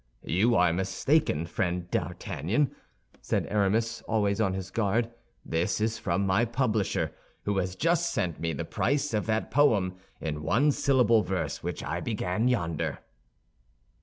"You are mistaken, friend D'Artagnan," said Aramis, always on his guard; "this is from my publisher, who has just sent me the price of that poem in one syllable verse which I began yonder."